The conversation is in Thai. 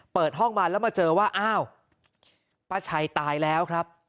เปิดห้องมาแล้วมาเจอว่าอ้าวป้าชัยตายแล้วครับ